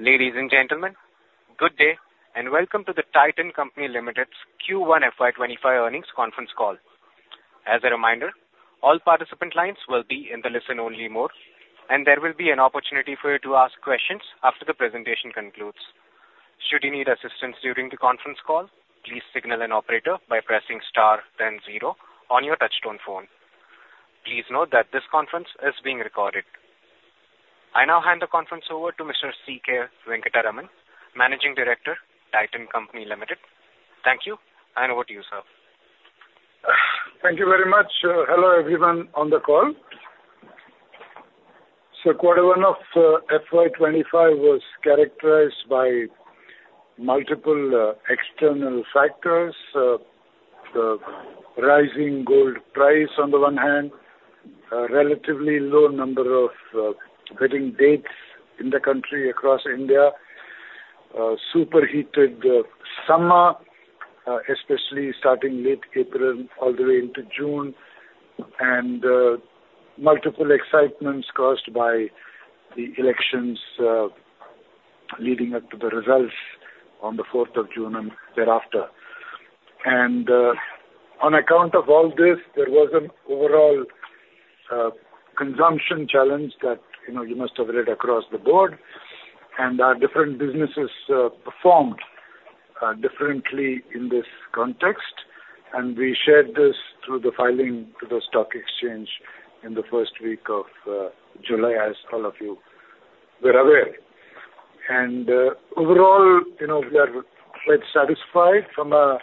Ladies and gentlemen, good day, and welcome to the Titan Company Limited's Q1 FY25 earnings conference call. As a reminder, all participant lines will be in the listen-only mode, and there will be an opportunity for you to ask questions after the presentation concludes. Should you need assistance during the conference call, please signal an operator by pressing star then zero on your touchtone phone. Please note that this conference is being recorded. I now hand the conference over to Mr. C.K. Venkataraman, Managing Director, Titan Company Limited. Thank you, and over to you, sir. Thank you very much. Hello, everyone on the call. So quarter one of FY 2025 was characterized by multiple external factors. The rising gold price on the one hand, a relatively low number of wedding dates in the country across India, superheated summer, especially starting late April, all the way into June, and multiple excitements caused by the elections, leading up to the results on the 4th of June and thereafter. On account of all this, there was an overall consumption challenge that, you know, you must have read across the board, and our different businesses performed differently in this context. We shared this through the filing to the stock exchange in the first week of July, as all of you were aware. Overall, you know, we are quite satisfied from a,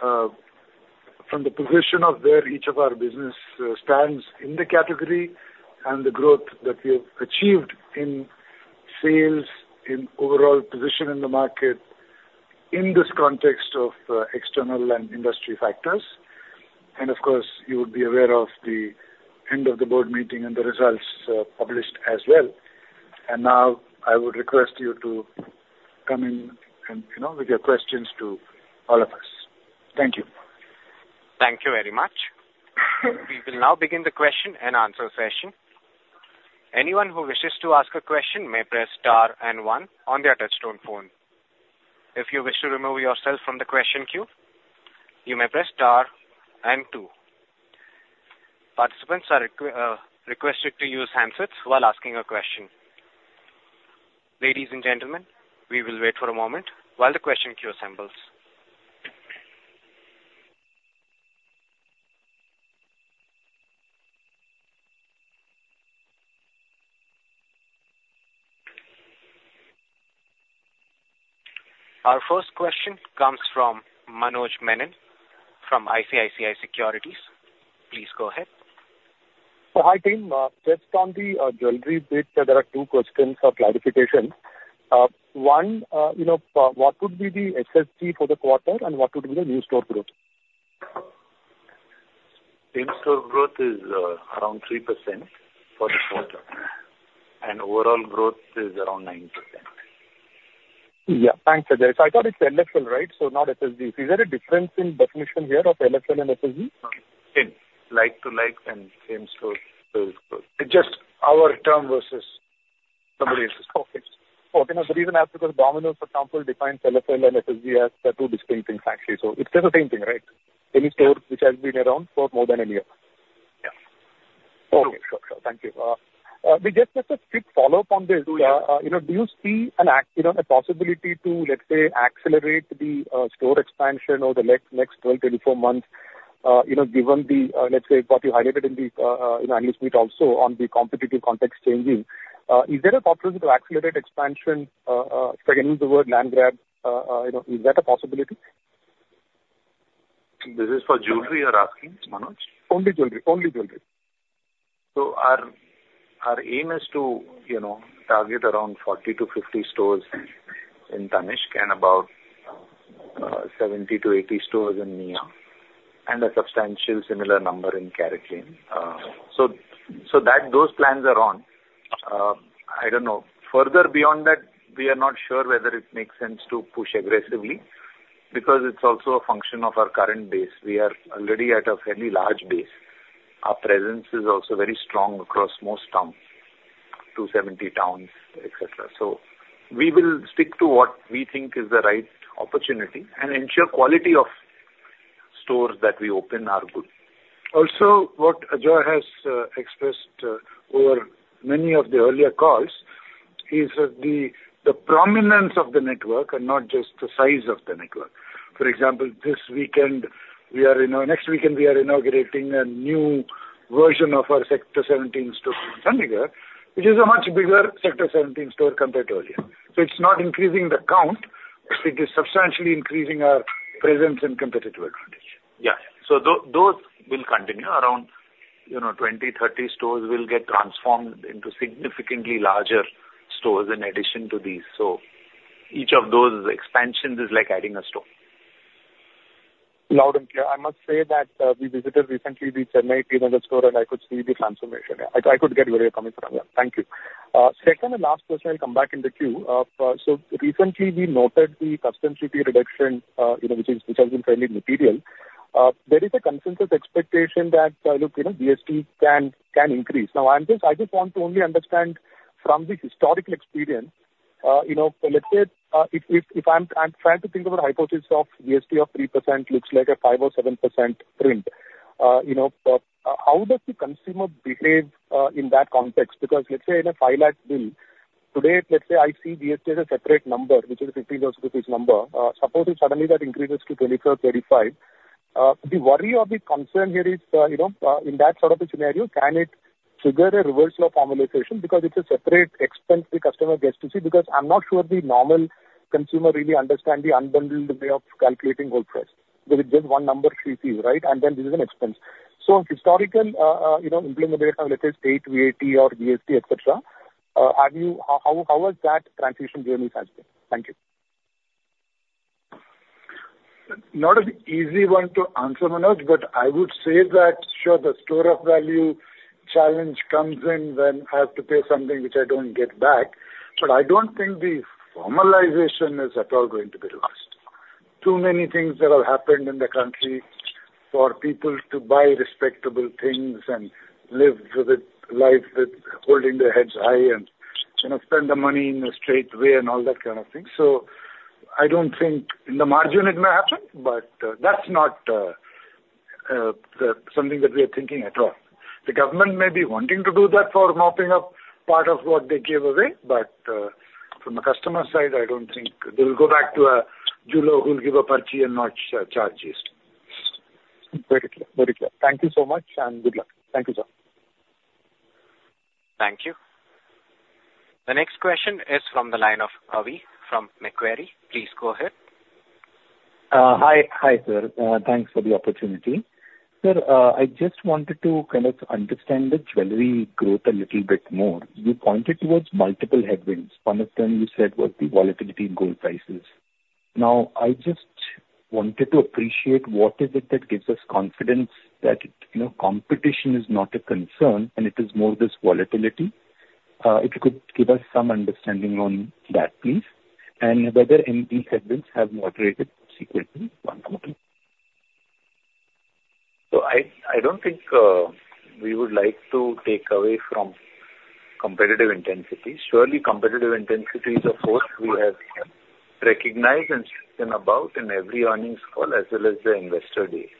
from the position of where each of our business stands in the category and the growth that we have achieved in sales, in overall position in the market, in this context of, external and industry factors. And of course, you would be aware of the end of the board meeting and the results, published as well. Now I would request you to come in and, you know, with your questions to all of us. Thank you. Thank you very much. We will now begin the question and answer session. Anyone who wishes to ask a question may press Star and One on their touchtone phone. If you wish to remove yourself from the question queue, you may press Star and Two. Participants are requested to use handsets while asking a question. Ladies and gentlemen, we will wait for a moment while the question queue assembles. Our first question comes from Manoj Menon, from ICICI Securities. Please go ahead. So hi, team. Just on the jewelry bit, there are two questions for clarification. One, you know, what would be the SSG for the quarter, and what would be the new store growth? Same store growth is around 3% for the quarter, and overall growth is around 9%. Yeah. Thanks, Ajoy. So I thought it's LSL, right, so not SSG. Is there a difference in definition here of LSL and SSG? SSG, like-for-like and same store growth. It's just our term versus somebody else's. Okay. Okay, now the reason I ask, because Domino's, for example, defines LSL and SSG as two distinct things, actually. So it does the same thing, right? Any store which has been around for more than a year. Yeah. Okay, sure, sure. Thank you. We just have a quick follow-up on this. You know, do you see a possibility to, let's say, accelerate the store expansion over the next 12, 24 months, you know, given the, let's say, what you highlighted in the, you know, annual meet also on the competitive context changing, is there a possibility to accelerate expansion, again, the word land grab, you know, is that a possibility? This is for jewelry, you're asking, Manoj? Only jewelry, only jewelry. So our aim is to, you know, target around 40-50 stores in Tanishq and about 70-80 stores in Mia and a substantial similar number in CaratLane. So that those plans are on. I don't know. Further beyond that, we are not sure whether it makes sense to push aggressively, because it's also a function of our current base. We are already at a fairly large base. Our presence is also very strong across most towns, 270 towns, etc. So we will stick to what we think is the right opportunity and ensure quality of stores that we open are good. Also, what Ajoy has expressed over many of the earlier calls is that the prominence of the network and not just the size of the network. For example, next weekend, we are inaugurating a new version of our Sector 17 store in Chandigarh, which is a much bigger Sector 17 store compared to earlier. So it's not increasing the count; it is substantially increasing our presence and competitive advantage. Yeah. So those will continue. Around, you know, 20-30 stores will get transformed into significantly larger stores in addition to these. So each of those expansions is like adding a store. Loud and clear. I must say that, we visited recently the Chennai T. Nagar store, and I could see the transformation. Yeah, I could get where you're coming from. Yeah. Thank you. Second and last question, I'll come back in the queue. So recently we noted the customs duty reduction, you know, which is, which has been fairly material. There is a consensus expectation that, look, you know, GST can increase. Now, I'm just—I just want to only understand from the historical experience, you know, let's say, if I'm trying to think of a hypothesis of GST of 3% looks like a 5% or 7% print. You know, but how does the consumer behave in that context? Because let's say in a INR 500,000 bill, today, let's say I see GST as a separate number, which is a 15,000 number. Suppose if suddenly that increases to 24,350, the worry or the concern here is, you know, in that sort of a scenario, can it trigger a reversal of formalization because it's a separate expense the customer gets to see, because I'm not sure the normal consumer really understand the unbundled way of calculating whole price. There is just one number she sees, right? And then this is an expense. So historical, you know, implementation, let's say state VAT or GST, etc., are you-- how, how was that transition journey has been? Thank you. Not an easy one to answer, Manoj, but I would say that, sure, the store of value challenge comes in when I have to pay something which I don't get back. But I don't think the formalization is at all going to be lost. Too many things that have happened in the country for people to buy respectable things and live with a life that holding their heads high and, you know, spend the money in a straight way and all that kind of thing. So I don't think... In the margin it may happen, but that's not the something that we are thinking at all. The government may be wanting to do that for mopping up part of what they gave away, but, from a customer side, I don't think they will go back to a jeweler who will give a parchi and not charge GST. Very clear, very clear. Thank you so much, and good luck. Thank you, sir. Thank you. The next question is from the line of Avi from Macquarie. Please go ahead. Hi. Hi, sir. Thanks for the opportunity. Sir, I just wanted to kind of understand the jewelry growth a little bit more. You pointed towards multiple headwinds. One of them you said was the volatility in gold prices. Now, I just wanted to appreciate what is it that gives us confidence that, you know, competition is not a concern and it is more this volatility? If you could give us some understanding on that, please. And whether any of these headwinds have moderated sequentially, one more thing. So I don't think we would like to take away from competitive intensity. Surely, competitive intensity is a force we have recognized and spoken about in every earnings call as well as the investor day.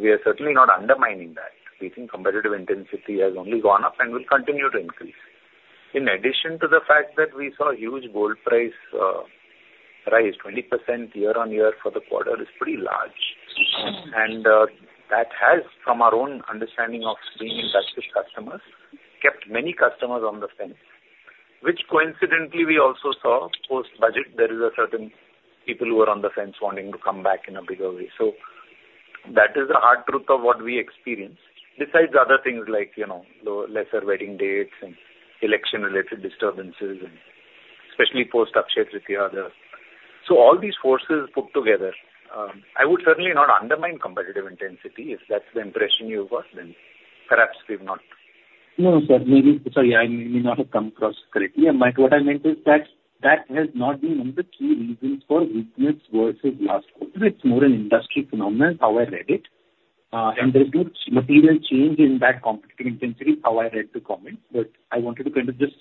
We are certainly not undermining that. We think competitive intensity has only gone up and will continue to increase. In addition to the fact that we saw a huge gold price rise, 20% year-on-year for the quarter is pretty large. And that has, from our own understanding of being in touch with customers, kept many customers on the fence, which coincidentally we also saw post-budget. There is a certain people who are on the fence wanting to come back in a bigger way. So that is the hard truth of what we experience, besides other things like, you know, lesser wedding dates and election-related disturbances and especially post Akshay Tritiya. So all these forces put together, I would certainly not undermine competitive intensity. If that's the impression you've got, then perhaps we've not- No, sir. Maybe... Sorry, I may not have come across clearly. But what I meant is that, that has not been one of the key reasons for weakness versus last quarter. It's more an industry phenomenon, how I read it. And there's no material change in that competitive intensity, how I read the comment. But I wanted to kind of just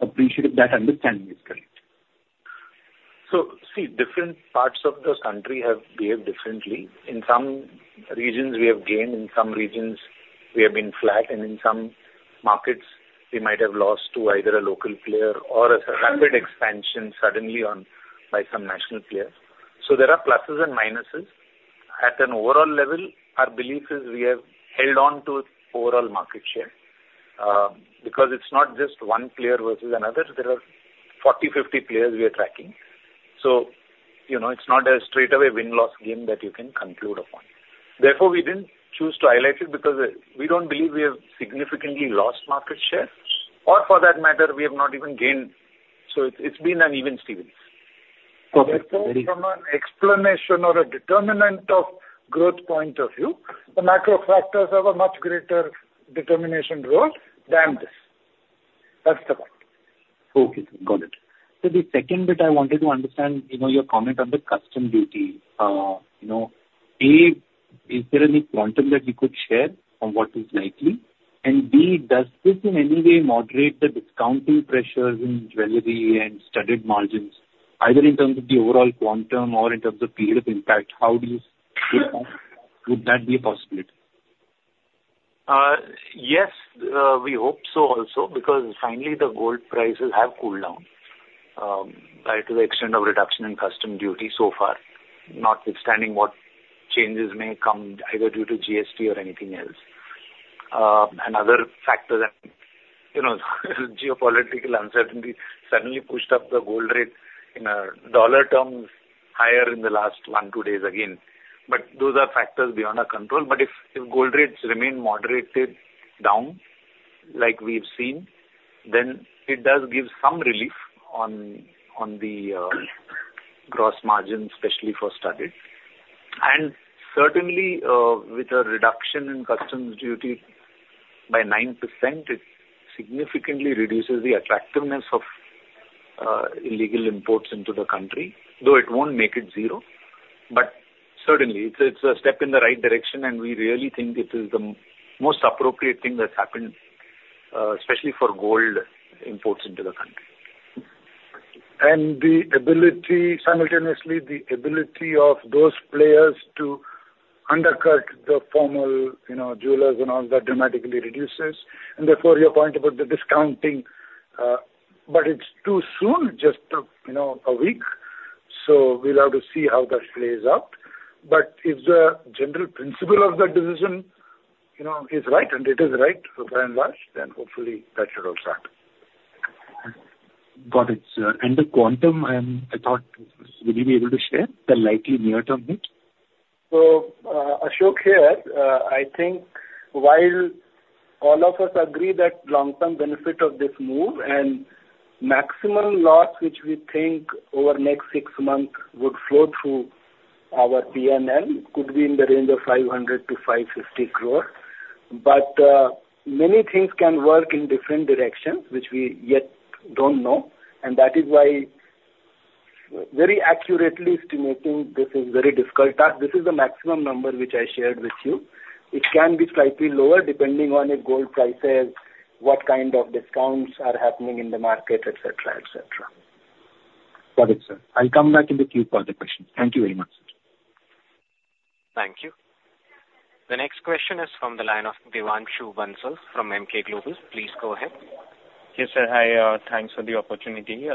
appreciate if that understanding is correct. So, see, different parts of the country have behaved differently. In some regions we have gained, in some regions we have been flat, and in some markets we might have lost to either a local player or a rapid expansion suddenly on by some national players. So there are pluses and minuses. At an overall level, our belief is we have held on to overall market share, because it's not just one player versus another. There are 40, 50 players we are tracking. So you know, it's not a straightaway win-loss game that you can conclude upon. Therefore, we didn't choose to highlight it because, we don't believe we have significantly lost market share, or for that matter, we have not even gained. So it's, it's been an even stevens. Okay. From an explanation or a determinant of growth point of view, the macro factors have a much greater determination role than this. That's the point. Okay, got it. So the second bit I wanted to understand, you know, your comment on the customs duty. You know, A, is there any quantum that we could share on what is likely? And B, does this in any way moderate the discounting pressures in jewelry and studded margins, either in terms of the overall quantum or in terms of period of impact? How do you... Would that be a possibility? Yes, we hope so also, because finally the gold prices have cooled down, right to the extent of reduction in customs duty so far, notwithstanding what changes may come either due to GST or anything else. Another factor that, you know, geopolitical uncertainty suddenly pushed up the gold rate in dollar terms, higher in the last one to two days again. But those are factors beyond our control. But if gold rates remain moderated down like we've seen, then it does give some relief on the gross margin, especially for studded. And certainly, with a reduction in customs duty by 9%, it significantly reduces the attractiveness of illegal imports into the country, though it won't make it zero. But certainly, it's a step in the right direction, and we really think it is the most appropriate thing that's happened, especially for gold imports into the country. And the ability, simultaneously, the ability of those players to undercut the formal, you know, jewelers and all that dramatically reduces, and therefore, your point about the discounting. But it's too soon, just, you know, a week, so we'll have to see how that plays out. But if the general principle of the decision, you know, is right, and it is right, by and large, then hopefully that should also help. Got it, sir. And the quantum, I thought, will you be able to share the likely near-term hit? So, Ashok here. I think while all of us agree that long-term benefit of this move and maximum loss, which we think over the next six months, would flow through our PNL, could be in the range of 500 crore-550 crore. But, many things can work in different directions, which we yet don't know, and that is why very accurately estimating this is very difficult task. This is the maximum number which I shared with you. It can be slightly lower, depending on the gold prices, what kind of discounts are happening in the market, etc, etc. Got it, sir. I'll come back in the queue for other questions. Thank you very much, sir. Thank you. The next question is from the line of Devanshu Bansal from Emkay Global. Please go ahead. Yes, sir. Hi, thanks for the opportunity.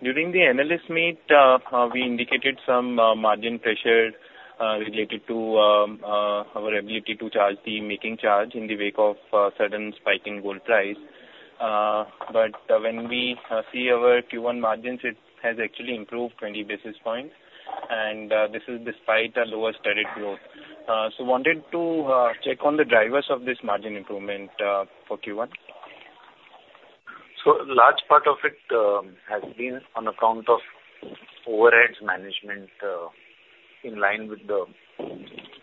During the analyst meet, we indicated some margin pressure related to our ability to charge the making charge in the wake of sudden spike in gold price. But when we see our Q1 margins, it has actually improved 20 basis points, and this is despite a lower steady growth. So wanted to check on the drivers of this margin improvement for Q1. So large part of it has been on account of overheads management, in line with the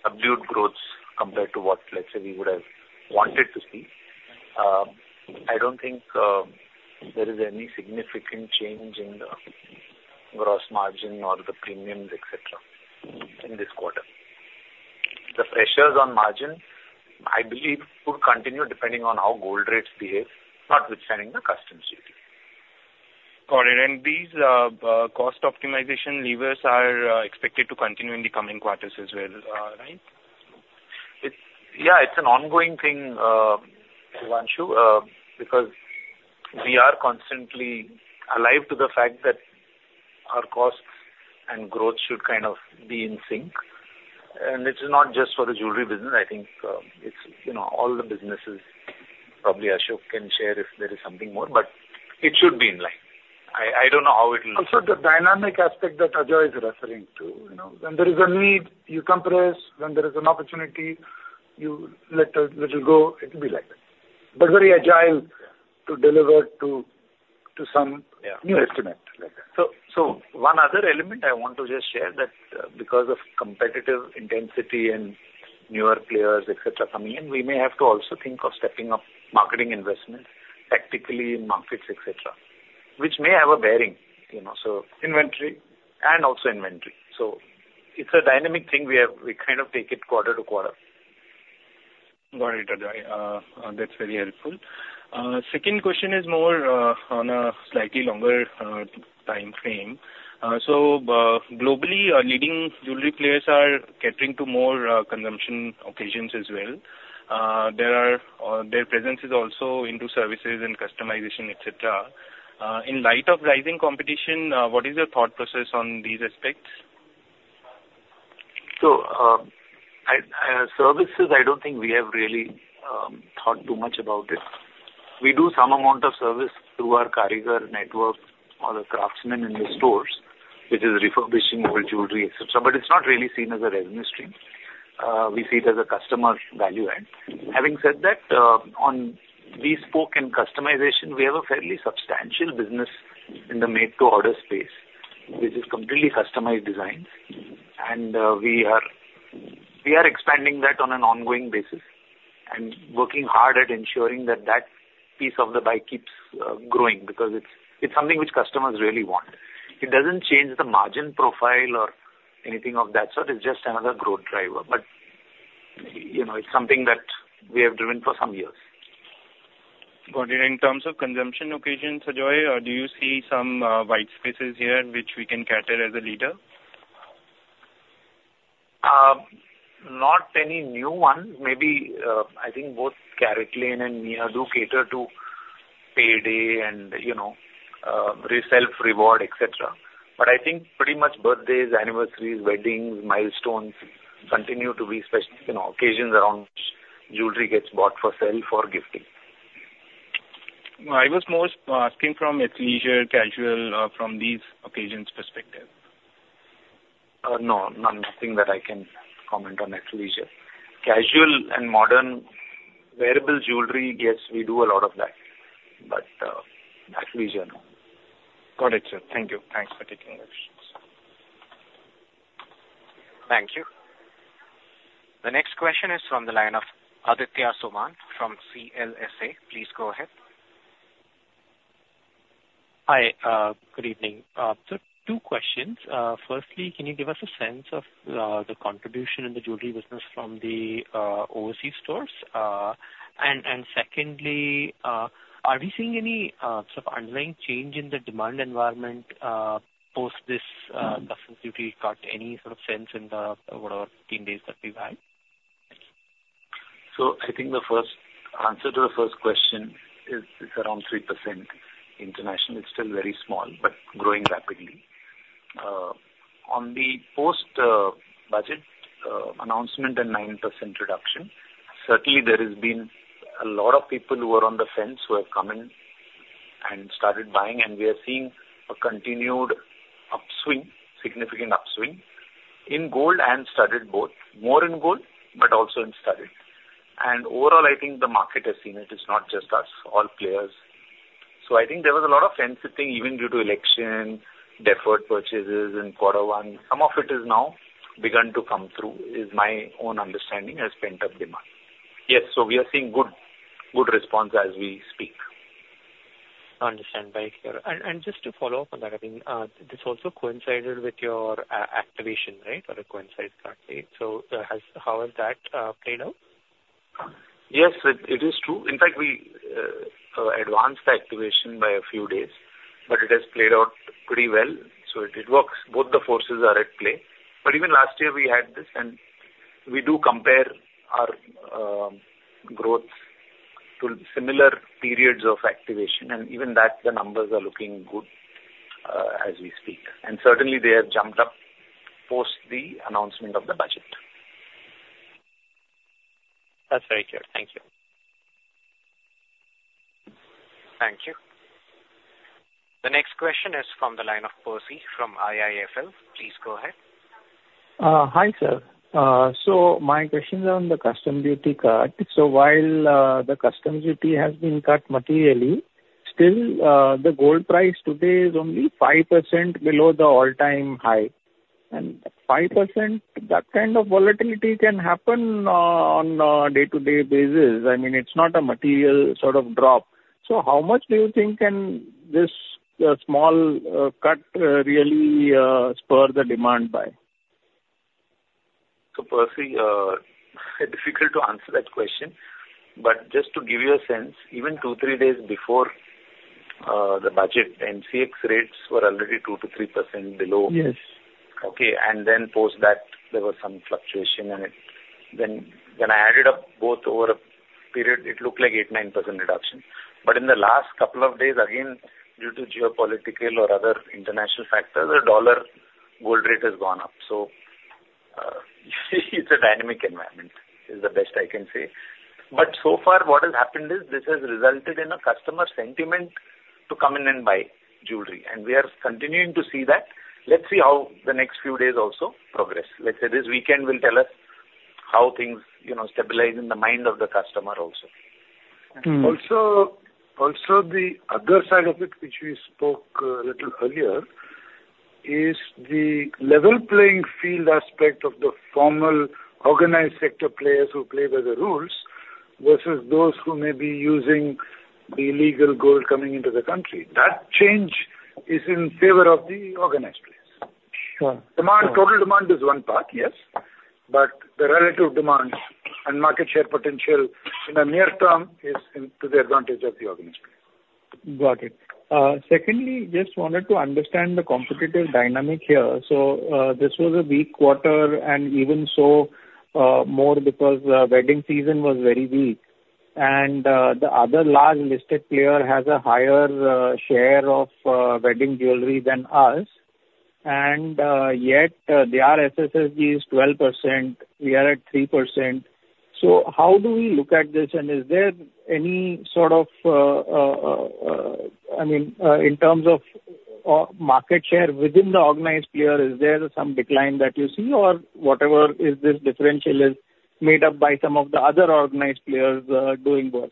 subdued growth compared to what, let's say, we would have wanted to see. I don't think there is any significant change in the gross margin or the premiums, etc., in this quarter. The pressures on margin, I believe, would continue depending on how gold rates behave, notwithstanding the customs duty. Got it. These cost optimization levers are expected to continue in the coming quarters as well, right? It's... Yeah, it's an ongoing thing, Devanshu, because we are constantly alive to the fact that our costs and growth should kind of be in sync. This is not just for the jewelry business. I think, it's, you know, all the businesses. Probably, Ashok can share if there is something more, but it should be in line. I don't know how it will- Also, the dynamic aspect that Ajoy is referring to, you know, when there is a need, you compress, when there is an opportunity, you let, let it go. It will be like that. But very agile to deliver to, to some- Yeah. New estimate, like that. So, one other element I want to just share, that, because of competitive intensity and newer players, etc., coming in, we may have to also think of stepping up marketing investments tactically in markets, etc., which may have a bearing, you know, so- Inventory. And also inventory. So it's a dynamic thing. We kind of take it quarter-to-quarter. Got it, Ajoy. That's very helpful. Second question is more on a slightly longer time frame. So, globally, our leading jewelry players are catering to more consumption occasions as well. There are, their presence is also into services and customization, etc. In light of rising competition, what is your thought process on these aspects? So, services, I don't think we have really thought too much about it. We do some amount of service through our Karigar network or the craftsmen in the stores, which is refurbishing old jewelry, etc., but it's not really seen as a revenue stream. We see it as a customer value add. Having said that, on bespoke in customization, we have a fairly substantial business in the made-to-order space, which is completely customized designs. And, we are, we are expanding that on an ongoing basis and working hard at ensuring that that piece of the pie keeps growing, because it's, it's something which customers really want. It doesn't change the margin profile or anything of that sort. It's just another growth driver, but, you know, it's something that we have driven for some years. Got it. In terms of consumption occasions, Ajoy, do you see some white spaces here which we can cater as a leader? Not any new one. Maybe, I think both CaratLane and Mia do cater to payday and, you know, self-reward, etc. But I think pretty much birthdays, anniversaries, weddings, milestones continue to be special, you know, occasions around which jewelry gets bought for sale or gifting. I was most asking from athleisure, casual, from these occasions perspective. No, no, nothing that I can comment on athleisure. Casual and modern wearable jewelry, yes, we do a lot of that, but, athleisure, no. Got it, sir. Thank you. Thanks for taking the question. ...Thank you. The next question is from the line of Aditya Soman from CLSA. Please go ahead. Hi, good evening. So two questions. Firstly, can you give us a sense of, the contribution in the jewelry business from the, overseas stores? And secondly, are we seeing any, sort of underlying change in the demand environment, post this, customs duty cut, any sort of sense in the, whatever, 10 days that we've had? So I think the first answer to the first question is it's around 3% international. It's still very small, but growing rapidly. On the post budget announcement and 9% reduction, certainly there has been a lot of people who are on the fence who have come in and started buying, and we are seeing a continued upswing, significant upswing in gold and studded both, more in gold, but also in studded. And overall, I think the market has seen it. It's not just us, all players. So I think there was a lot of fence sitting even due to election, deferred purchases in Q1. Some of it has now begun to come through, is my own understanding as pent-up demand. Yes, so we are seeing good, good response as we speak. Understand. Thank you. And just to follow up on that, I think this also coincided with your activation, right? Or it coincides partly. So how has that played out? Yes, it is true. In fact, we advanced the activation by a few days, but it has played out pretty well, so it works. Both the forces are at play. But even last year we had this, and we do compare our growth to similar periods of activation, and even that, the numbers are looking good, as we speak. And certainly, they have jumped up post the announcement of the budget. That's very clear. Thank you. Thank you. The next question is from the line of Percy from IIFL. Please go ahead. Hi, sir. So my question is on the customs duty cut. So while the customs duty has been cut materially, still the gold price today is only 5% below the all-time high. And 5%, that kind of volatility can happen on a day-to-day basis. I mean, it's not a material sort of drop. So how much do you think can this small cut really spur the demand by? So, Percy, difficult to answer that question, but just to give you a sense, even two to three days before the budget, MCX rates were already 2%-3% below. Yes. Okay, and then post that, there was some fluctuation in it. Then, then I added up both over a period, it looked like 8%-9% reduction. But in the last couple of days, again, due to geopolitical or other international factors, the dollar gold rate has gone up. So, it's a dynamic environment, is the best I can say. But so far, what has happened is, this has resulted in a customer sentiment to come in and buy jewelry, and we are continuing to see that. Let's see how the next few days also progress. Let's say, this weekend will tell us how things, you know, stabilize in the mind of the customer also. Mm-hmm. Also, the other side of it, which we spoke a little earlier, is the level playing field aspect of the formal organized sector players who play by the rules, versus those who may be using the illegal gold coming into the country. That change is in favor of the organized players. Sure. Demand, total demand is one part, yes, but the relative demand and market share potential in the near term is into the advantage of the organized player. Got it. Secondly, just wanted to understand the competitive dynamic here. So, this was a weak quarter, and even so, more because the wedding season was very weak. And, the other large listed player has a higher share of wedding jewelry than us. And, yet, their SSG is 12%, we are at 3%. So how do we look at this? And is there any sort of, I mean, in terms of market share within the organized player, is there some decline that you see? Or whatever is this differential is made up by some of the other organized players doing worse?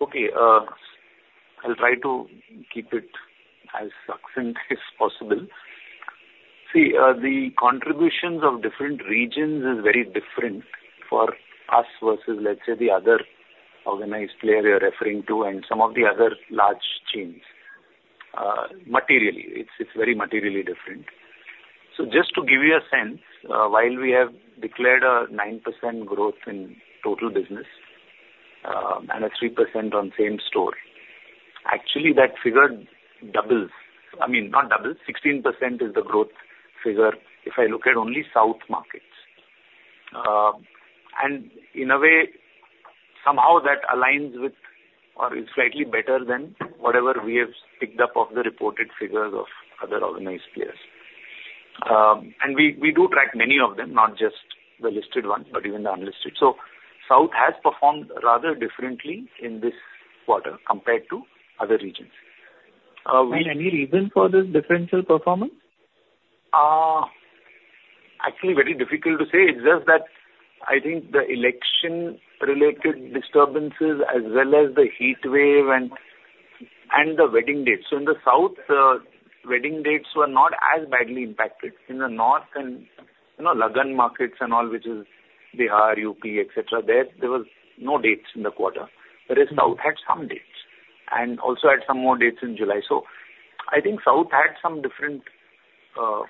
Okay, I'll try to keep it as succinct as possible. See, the contributions of different regions is very different for us versus, let's say, the other organized player you're referring to, and some of the other large chains. Materially, it's, it's very materially different. So just to give you a sense, while we have declared a 9% growth in total business, and a 3% on same store, actually, that figure doubles. I mean, not double, 16% is the growth figure if I look at only south markets. And in a way, somehow that aligns with or is slightly better than whatever we have picked up of the reported figures of other organized players. And we, we do track many of them, not just the listed ones, but even the unlisted. So South has performed rather differently in this quarter compared to other regions. Any reason for this differential performance? ... Actually, very difficult to say. It's just that I think the election-related disturbances as well as the heat wave and the wedding dates. So in the South, wedding dates were not as badly impacted. In the North and, you know, Lagan markets and all, which is Bihar, UP, etc., there was no dates in the quarter. Whereas South had some dates, and also had some more dates in July. So I think South had some different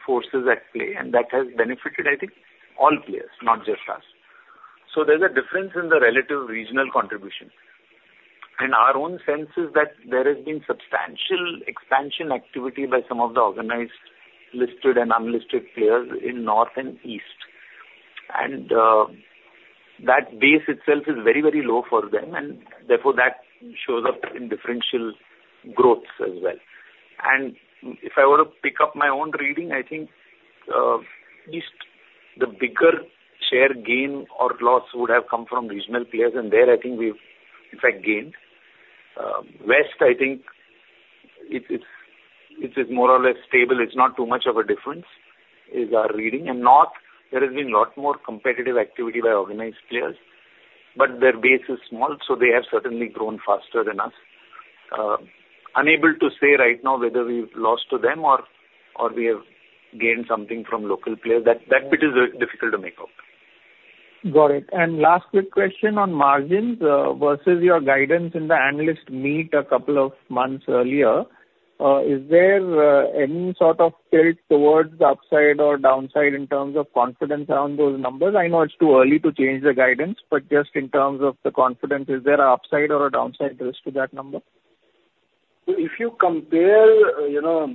forces at play, and that has benefited, I think, all players, not just us. So there's a difference in the relative regional contribution. And our own sense is that there has been substantial expansion activity by some of the organized, listed and unlisted players in North and East. that base itself is very, very low for them, and therefore, that shows up in differential growth as well. And if I were to pick up my own reading, I think, at least the bigger share gain or loss would have come from regional players, and there, I think we've, in fact, gained. West, I think, it's, it's, it is more or less stable. It's not too much of a difference, is our reading. And North, there has been a lot more competitive activity by organized players, but their base is small, so they have certainly grown faster than us. Unable to say right now whether we've lost to them or, or we have gained something from local players. That, that bit is very difficult to make out. Got it. Last quick question on margins versus your guidance in the analyst meet a couple of months earlier. Is there any sort of tilt towards the upside or downside in terms of confidence around those numbers? I know it's too early to change the guidance, but just in terms of the confidence, is there an upside or a downside risk to that number? If you compare, you know,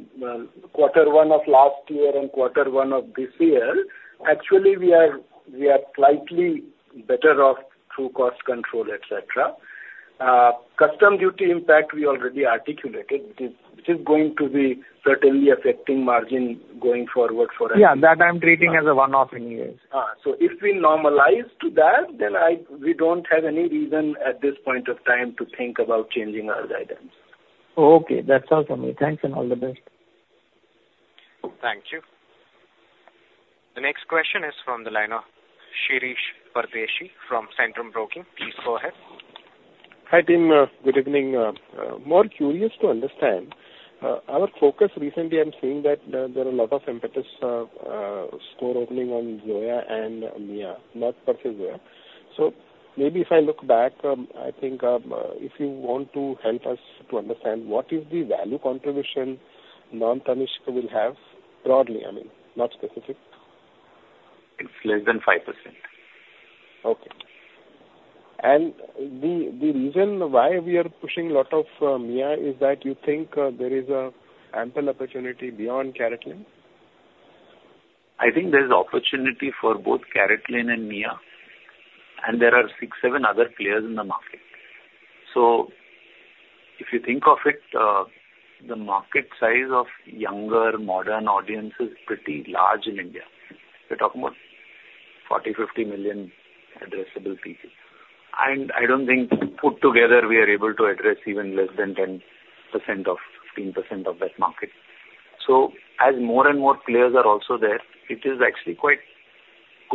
Q1 of last year and Q1 of this year, actually, we are slightly better off through cost control, etc. Customs duty impact, we already articulated, which is going to be certainly affecting margin going forward for us. Yeah, that I'm treating as a one-off anyways. So if we normalize to that, then we don't have any reason at this point of time to think about changing our guidance. Okay. That's all for me. Thanks, and all the best. Thank you. The next question is from the line of Shirish Pardeshi from Centrum Broking. Please go ahead. Hi, team. Good evening. I'm more curious to understand our focus recently. I'm seeing that there are a lot of emphasis, store openings on Zoya and Mia, not Tanishq, Zoya. So maybe if I look back, I think, if you want to help us to understand, what is the value contribution non-Tanishq will have, broadly, I mean, not specific? It's less than 5%. Okay. And the reason why we are pushing a lot of Mia is that you think there is an ample opportunity beyond CaratLane? I think there is opportunity for both CaratLane and Mia, and there are six to seven other players in the market. So if you think of it, the market size of younger, modern audience is pretty large in India. We're talking about 40-50 million addressable people. And I don't think put together, we are able to address even less than 10% of, 15% of that market. So as more and more players are also there, it is actually quite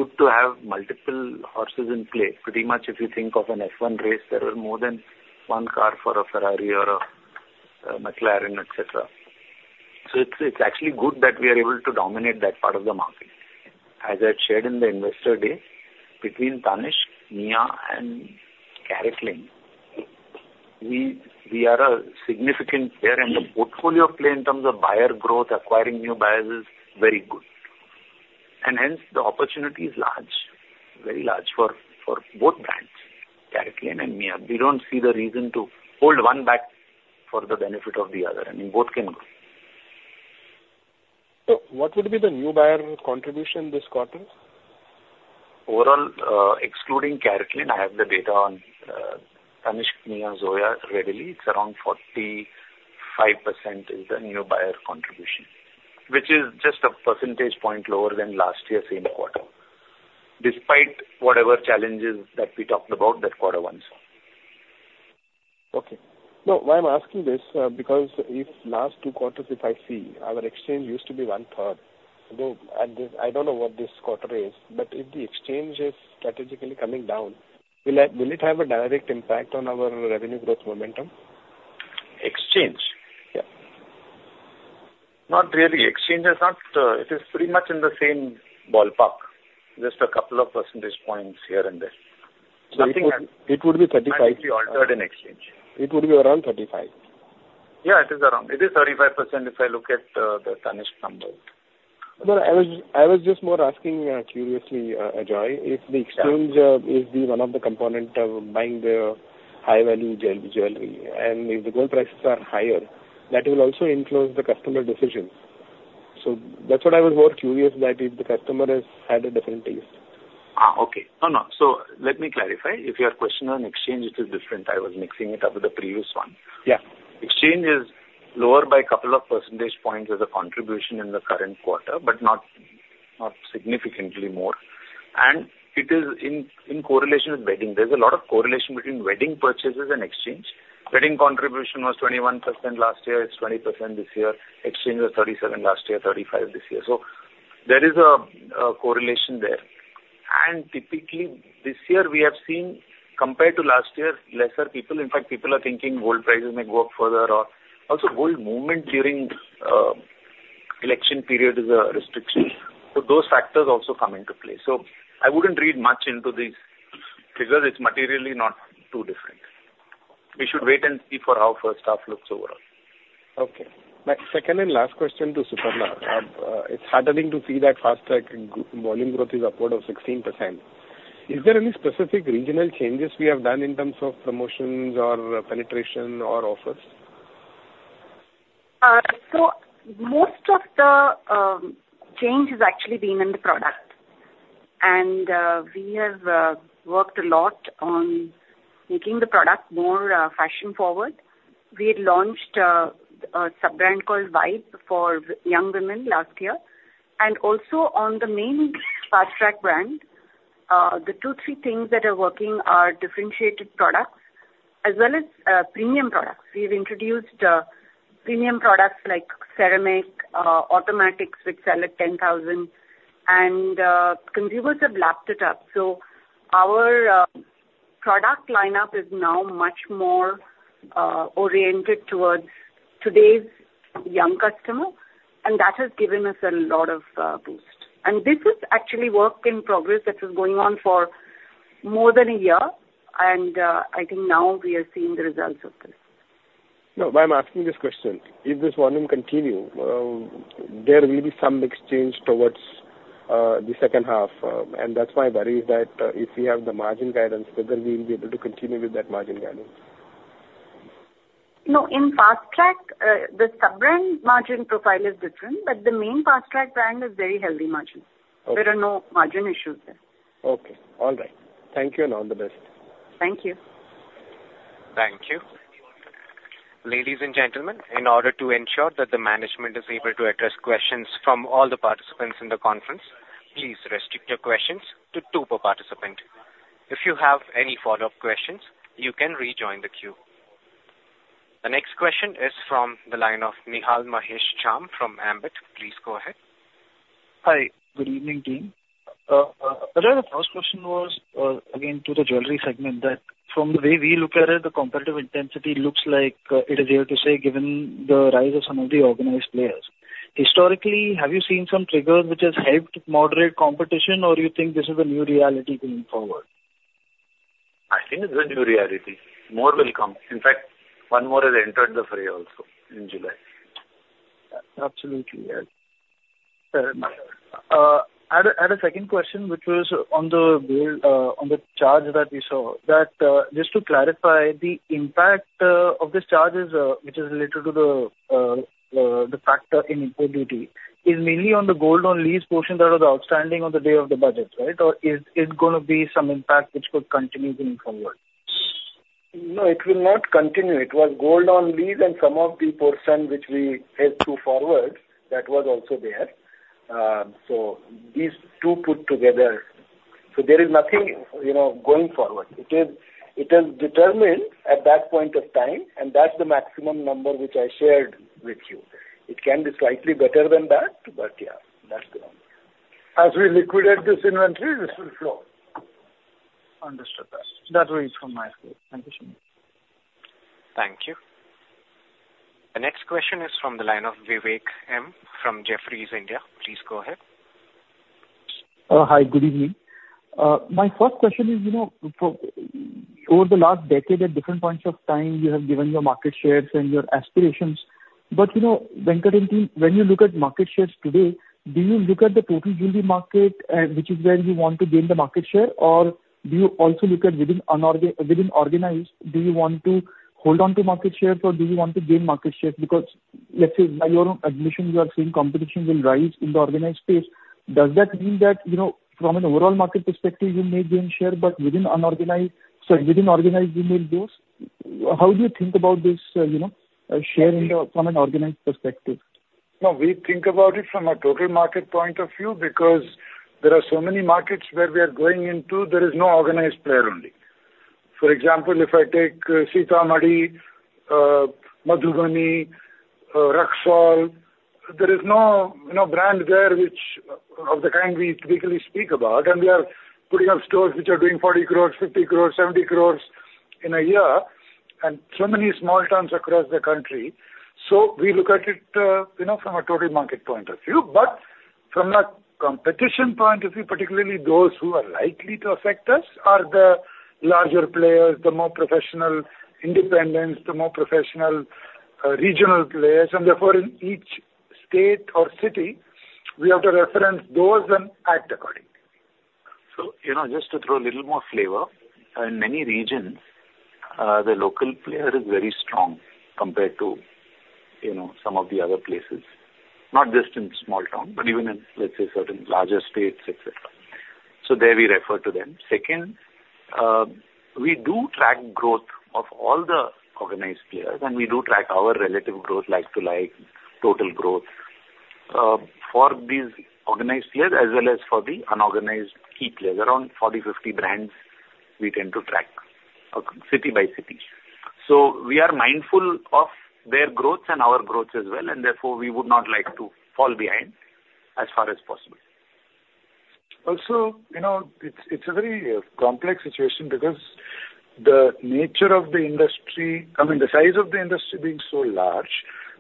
good to have multiple horses in play. Pretty much if you think of an F1 race, there are more than one car for a Ferrari or a McLaren, etc. So it's actually good that we are able to dominate that part of the market. As I shared in the investor day, between Tanishq, Mia, and CaratLane, we are a significant player, and the portfolio play in terms of buyer growth, acquiring new buyers is very good. Hence, the opportunity is large, very large for both brands, CaratLane and Mia. We don't see the reason to hold one back for the benefit of the other, I mean, both can grow. What would be the new buyer contribution this quarter? Overall, excluding CaratLane, I have the data on Tanishq, Mia, Zoya, readily. It's around 45% is the new buyer contribution, which is just a percentage point lower than last year's same quarter, despite whatever challenges that we talked about that quarter once. Okay. Now, why I'm asking this, because if last two quarters, if I see, our exchange used to be one-third. I don't know what this quarter is, but if the exchange is strategically coming down, will it, will it have a direct impact on our revenue growth momentum? Exchange? Yeah. Not really. Exchange is not. It is pretty much in the same ballpark, just a couple of percentage points here and there. It would, it would be 35? Nothing has actually altered in exchange. It would be around 35? Yeah, it is around. It is 35% if I look at the Tanishq numbers. No, I was, I was just more asking, curiously, Ajoy, if the exchange is one of the components of buying the high-value jewelry, and if the gold prices are higher, that will also influence the customer decision. So that's what I was more curious about, if the customer has had a different taste. Ah, okay. No, no. So let me clarify. If your question on exchange, it is different. I was mixing it up with the previous one. Yeah. Exchange is lower by a couple of percentage points as a contribution in the current quarter, but not significantly more... and it is in correlation with wedding. There's a lot of correlation between wedding purchases and exchange. Wedding contribution was 21% last year, it's 20% this year. Exchange was 37 last year, 35 this year. So there is a correlation there. And typically, this year we have seen, compared to last year, lesser people. In fact, people are thinking gold prices may go up further, or also gold movement during election period is restricted. So those factors also come into play. So I wouldn't read much into these figures. It's materially not too different. We should wait and see for how first half looks overall. Okay. My second and last question to Suparna. It's heartening to see that Fastrack volume growth is upward of 16%. Is there any specific regional changes we have done in terms of promotions or penetration or offers? So most of the change has actually been in the product, and we have worked a lot on making the product more fashion forward. We had launched a sub-brand called Vibe for young women last year, and also on the main Fastrack brand, the two, three things that are working are differentiated products as well as premium products. We've introduced premium products like ceramic automatics, which sell at 10,000, and consumers have lapped it up. So our product lineup is now much more oriented towards today's young customer, and that has given us a lot of boost. And this is actually work in progress that is going on for more than a year, and I think now we are seeing the results of this. No, but I'm asking this question, if this volume continue, there will be some exchange towards, the second half, and that's my worry, is that, if we have the margin guidance, whether we will be able to continue with that margin guidance? No, in Fastrack, the sub-brand margin profile is different, but the main Fastrack brand is very healthy margin. Okay. There are no margin issues there. Okay, all right. Thank you and all the best. Thank you. Thank you. Ladies and gentlemen, in order to ensure that the management is able to address questions from all the participants in the conference, please restrict your questions to two per participant. If you have any follow-up questions, you can rejoin the queue. The next question is from the line of Nihal Mahesh Jham from Ambit. Please go ahead. Hi, good evening, team. Rather the first question was, again, to the jewelry segment, that from the way we look at it, the competitive intensity looks like it is here to stay, given the rise of some of the organized players. Historically, have you seen some trigger which has helped moderate competition, or you think this is a new reality going forward? I think it's a new reality. More will come. In fact, one more has entered the fray also in July. Absolutely, yes. I had a second question, which was on the bill, on the charge that we saw. That, just to clarify, the impact of this charges, which is related to the factor in import duty, is mainly on the gold on lease portion that was outstanding on the day of the budget, right? Or is going to be some impact which could continue going forward? No, it will not continue. It was Gold on Lease and some of the portion which we hedge to forward, that was also there. So these two put together... So there is nothing, you know, going forward. It is, it is determined at that point of time, and that's the maximum number which I shared with you. It can be slightly better than that, but yeah, that's the one. As we liquidate this inventory, this will flow. Understood that. That was from my side. Thank you so much. Thank you. The next question is from the line of Vivek M from Jefferies India. Please go ahead. Hi, good evening. My first question is, you know, for, over the last decade, at different points of time, you have given your market shares and your aspirations. But, you know, Venkat and team, when you look at market shares today, do you look at the total jewelry market, which is where you want to gain the market share? Or do you also look at within organized, do you want to hold on to market shares, or do you want to gain market shares? Because, let's say by your own admission, you are saying competition will rise in the organized space. Does that mean that, you know, from an overall market perspective, you may gain share, but within unorganized, sorry, within organized, you may lose? How do you think about this, you know, sharing from an organized perspective? No, we think about it from a total market point of view, because there are so many markets where we are going into, there is no organized player only. For example, if I take Sitamarhi, Madhubani, Raxaul, there is no, no brand there which of the kind we typically speak about, and we are putting up stores which are doing 40 crore, 50 crore, 70 crore in a year, and so many small towns across the country. So we look at it, you know, from a total market point of view. But from a competition point of view, particularly those who are likely to affect us, are the larger players, the more professional independents, the more professional regional players, and therefore, in each state or city, we have to reference those and act accordingly. So, you know, just to throw a little more flavor, in many regions, the local player is very strong compared to, you know, some of the other places. Not just in small town, but even in, let's say, certain larger states, etc. So there we refer to them. We do track growth of all the organized players, and we do track our relative growth, like-to-like, total growth, for these organized players, as well as for the unorganized key players. Around 40, 50 brands we tend to track, city by city. So we are mindful of their growth and our growth as well, and therefore, we would not like to fall behind as far as possible. Also, you know, it's a very complex situation because the nature of the industry, I mean, the size of the industry being so large,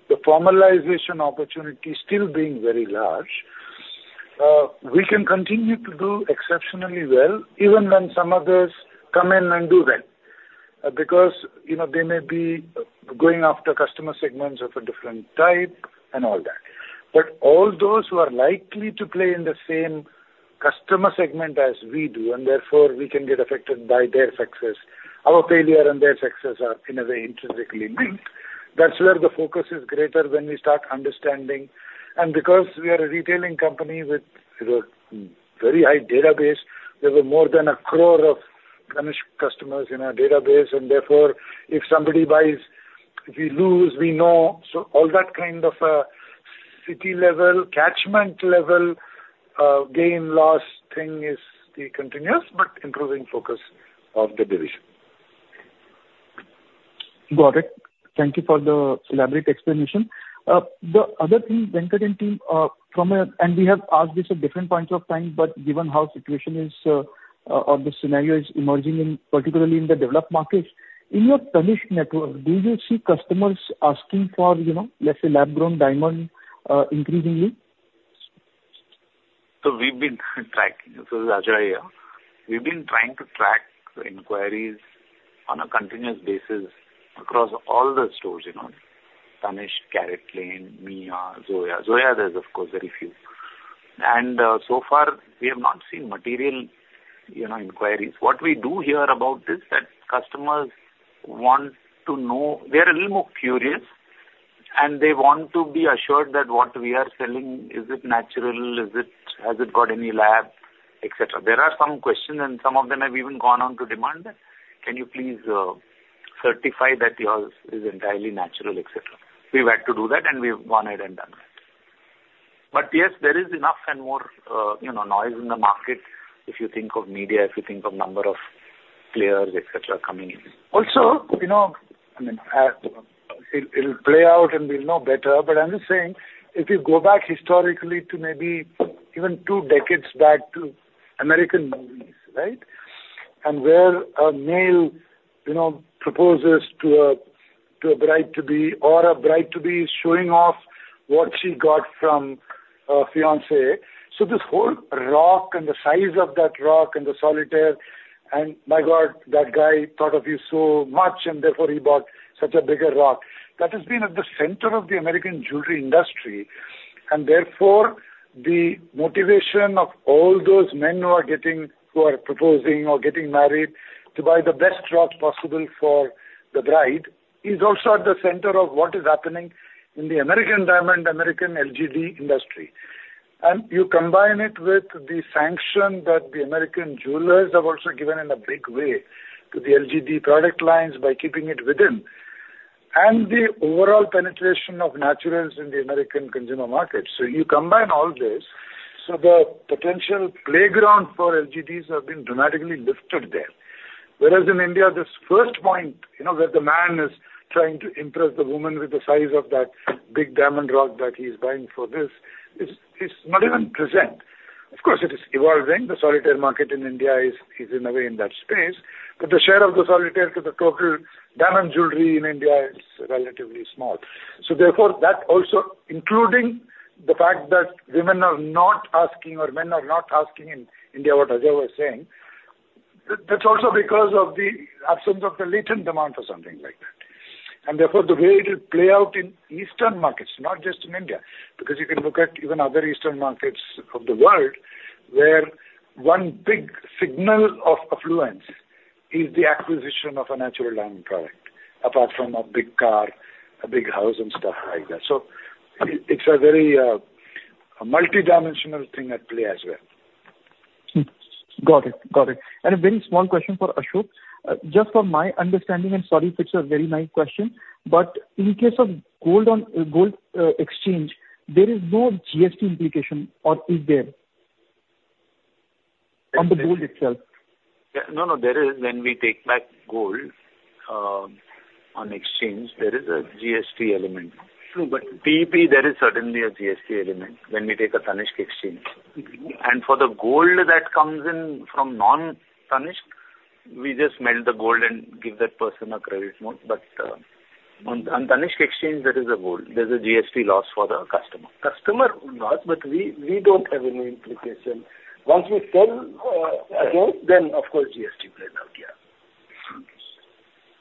the formalization opportunity still being very large, we can continue to do exceptionally well even when some others come in and do well. Because, you know, they may be going after customer segments of a different type and all that. But all those who are likely to play in the same customer segment as we do, and therefore we can get affected by their success. Our failure and their success are, in a way, intrinsically linked. That's where the focus is greater when we start understanding. And because we are a retailing company with, you know, very high database, there were more than 10,000,000 Tanishq customers in our database, and therefore, if somebody buys, if we lose, we know. All that kind of city level, catchment level, gain, loss thing is the continuous but improving focus of the division. Got it. Thank you for the elaborate explanation. The other thing, Venkat and team. And we have asked this at different points of time, but given how situation is, or the scenario is emerging in, particularly in the developed markets, in your Tanishq network, do you see customers asking for, you know, let's say, lab-grown diamond, increasingly? So we've been tracking. This is Ajoy here. We've been trying to track inquiries on a continuous basis across all the stores, you know, Tanishq, CaratLane, Mia, Zoya. Zoya there's, of course, very few. And so far, we have not seen material, you know, inquiries. What we do hear about this, that customers want to know... They're a little more curious, and they want to be assured that what we are selling, is it natural? Is it? Has it got any lab? etc. There are some questions, and some of them have even gone on to demand, "Can you please, certify that yours is entirely natural?" etc. We've had to do that, and we've gone ahead and done that. But yes, there is enough and more, you know, noise in the market if you think of media, if you think of number of players, etc., coming in. Also, you know, I mean, it, it'll play out, and we'll know better. But I'm just saying, if you go back historically to maybe even two decades back to American movies, right? And where a male, you know, proposes to a, to a bride-to-be or a bride-to-be is showing off what she got from a fiancé. So this whole rock and the size of that rock and the solitaire, and, "My God, that guy thought of you so much, and therefore, he bought such a bigger rock." That has been at the center of the American jewelry industry, and therefore, the motivation of all those men who are getting... who are proposing or getting married, to buy the best rock possible for the bride, is also at the center of what is happening in the American diamond, American LGD industry. And you combine it with the sanction that the American jewelers have also given in a big way to the LGD product lines by keeping it within and the overall penetration of naturals in the American consumer market. So you combine all this, so the potential playground for LGDs have been dramatically lifted there. Whereas in India, this first point, you know, where the man is trying to impress the woman with the size of that big diamond rock that he's buying for this, is not even present. Of course, it is evolving. The solitaire market in India is in a way in that space, but the share of the solitaire to the total diamond jewelry in India is relatively small. So therefore, that also, including the fact that women are not asking or men are not asking in India, what Ajay was saying, that's also because of the absence of the latent demand or something like that. And therefore, the way it will play out in eastern markets, not just in India, because you can look at even other eastern markets of the world, where one big signal of affluence is the acquisition of a natural diamond product, apart from a big car, a big house and stuff like that. So it, it's a very, a multidimensional thing at play as well. Hmm. Got it. Got it. And a very small question for Ashok. Just for my understanding, and sorry if it's a very naive question, but in case of gold on gold exchange, there is no GST implication, or is there? On the gold itself. Yeah. No, no, there is. When we take back gold on exchange, there is a GST element. True, but- PEP, there is certainly a GST element when we take a Tanishq exchange. Mm-hmm. For the gold that comes in from non-Tanishq, we just melt the gold and give that person a credit note. But on Tanishq exchange, there is a GST loss for the customer. Customer loss, but we don't have any implication. Once we sell again, then, of course, GST will play out, yeah.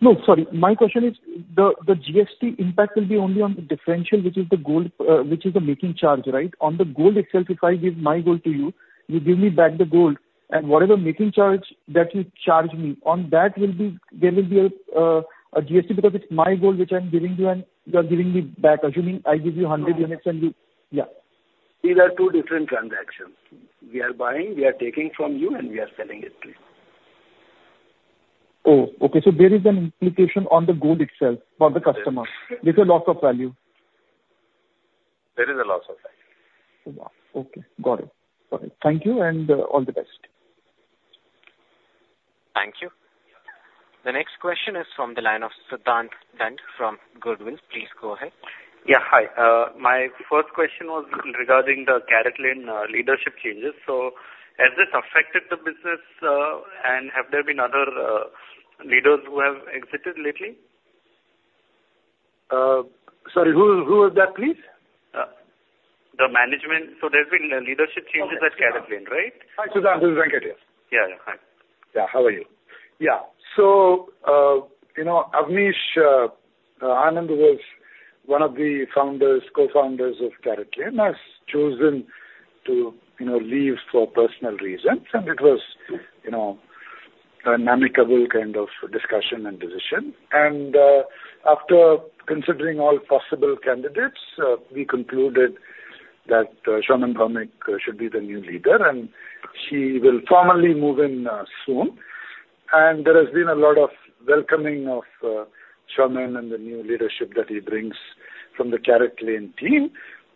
No, sorry. My question is, the GST impact will be only on the differential, which is the gold, which is the making charge, right? On the gold itself, if I give my gold to you, you give me back the gold, and whatever making charge that you charge me, on that will be... There will be a GST, because it's my gold which I'm giving you, and you are giving me back, assuming I give you 100 units and you... Yeah.... These are two different transactions. We are buying, we are taking from you, and we are selling it to you. Oh, okay. So there is an implication on the gold itself for the customer? Yes. There's a loss of value. There is a loss of value. Wow. Okay, got it. Got it. Thank you, and all the best. Thank you. The next question is from the line of Siddhant Dand from Goodwill. Please go ahead. Yeah, hi. My first question was regarding the CaratLane leadership changes. So has this affected the business, and have there been other leaders who have exited lately? Sorry, who, who is that, please? The management. So there's been leadership changes at CaratLane, right? Hi, Siddhant, this is Venkat here. Yeah. Yeah, hi. Yeah, how are you? Yeah. So, you know, Avnish Anand was one of the founders, co-founders of CaratLane, has chosen to, you know, leave for personal reasons, and it was, you know, a amicable kind of discussion and decision. After considering all possible candidates, we concluded that Saumen Bhaumik should be the new leader, and she will formally move in soon. And there has been a lot of welcoming of Saumen and the new leadership that he brings from the CaratLane team,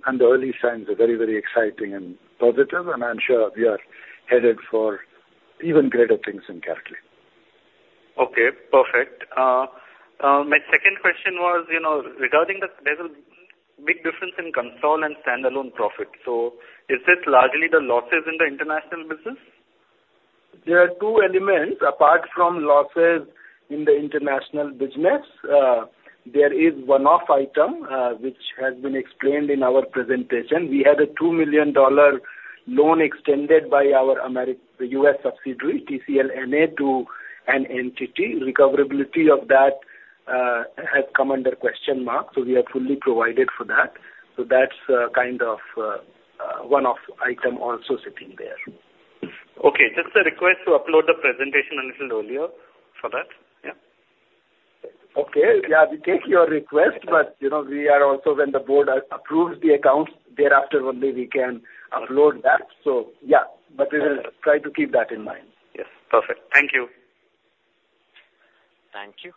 and the early signs are very, very exciting and positive, and I'm sure we are headed for even greater things in CaratLane. Okay, perfect. My second question was, you know, regarding the big difference in consolidated and standalone profit. So is this largely the losses in the international business? There are two elements. Apart from losses in the international business, there is one-off item, which has been explained in our presentation. We had a $2 million loan extended by our US subsidiary, TCL NA, to an entity. Recoverability of that has come under question mark, so we have fully provided for that. So that's a kind of one-off item also sitting there. Okay, just a request to upload the presentation a little earlier for that. Yeah. Okay. Yeah, we take your request, but, you know, we are also when the board approves the accounts, thereafter only we can upload that. So, yeah, but we will try to keep that in mind. Yes, perfect. Thank you. Thank you.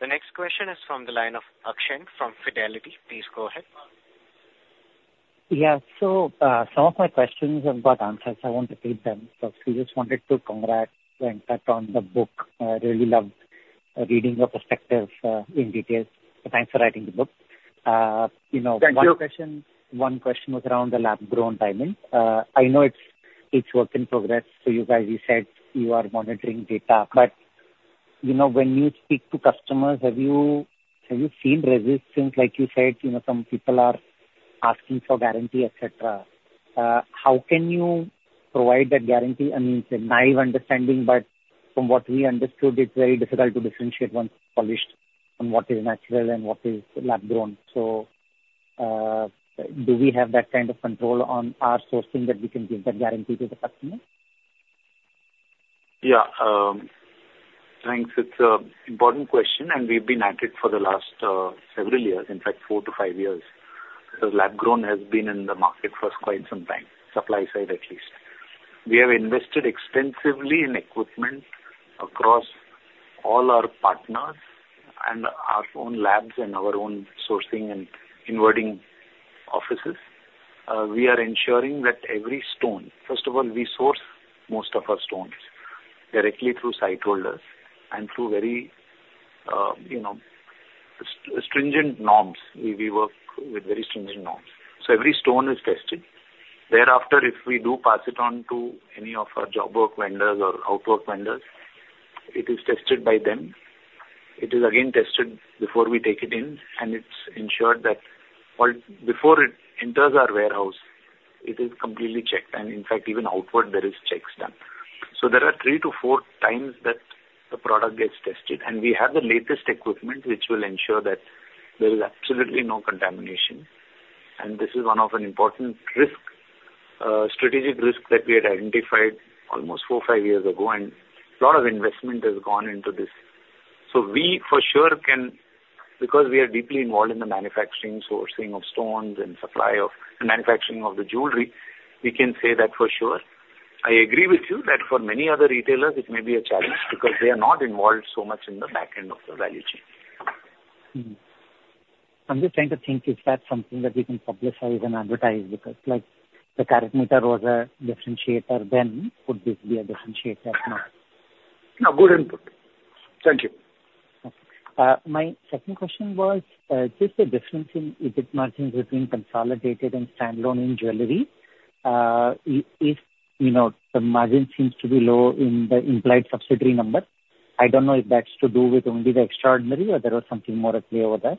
The next question is from the line of Akshay from Fidelity. Please go ahead. Yeah. So, some of my questions have got answers. I want to take them, but we just wanted to congrats Venkat on the book. I really loved reading your perspective in detail. So thanks for writing the book. You know- Thank you. One question, one question was around the lab-grown diamond. I know it's, it's work in progress, so you guys, you said you are monitoring data, but you know, when you speak to customers, have you seen resistance? Like you said, you know, some people are asking for guarantee, etc. How can you provide that guarantee? I mean, it's a naive understanding, but from what we understood, it's very difficult to differentiate once polished on what is natural and what is lab-grown. So, do we have that kind of control on our sourcing that we can give that guarantee to the customer? Yeah, thanks. It's an important question, and we've been at it for the last several years. In fact, four to five years. Because lab-grown has been in the market for quite some time, supply side at least. We have invested extensively in equipment across all our partners and our own labs and our own sourcing and importing offices. We are ensuring that every stone... First of all, we source most of our stones directly through sight holders and through very, you know, stringent norms. We work with very stringent norms. So every stone is tested. Thereafter, if we do pass it on to any of our job work vendors or outwork vendors, it is tested by them. It is again tested before we take it in, and it's ensured that, before it enters our warehouse, it is completely checked. In fact, even outward, there is checks done. So there are three to four times that the product gets tested, and we have the latest equipment, which will ensure that there is absolutely no contamination. And this is one of an important risk, strategic risk that we had identified almost four to five years ago, and a lot of investment has gone into this. So we, for sure, can, because we are deeply involved in the manufacturing, sourcing of stones and supply of, manufacturing of the jewelry, we can say that for sure. I agree with you that for many other retailers, it may be a challenge because they are not involved so much in the back end of the value chain. I'm just trying to think, is that something that we can publicize and advertise? Because, like, the Karatmeter was a differentiator then, could this be a differentiator as now? No, good input. Thank you. My second question was, just the difference in EBIT margins between consolidated and standalone in jewelry. If, you know, the margin seems to be low in the implied subsidiary number, I don't know if that's to do with only the extraordinary or there was something more at play over there.